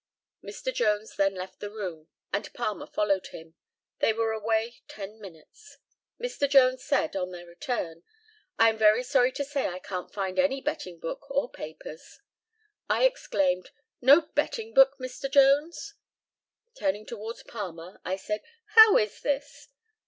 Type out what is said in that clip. Mr. Jones then left the room, and Palmer followed him. They were away 10 minutes. Mr. Jones said, on their return, "I am very sorry to say I can't find any betting book or papers." I exclaimed, "No betting book, Mr. Jones?" Turning towards Palmer, I said, "How is this?"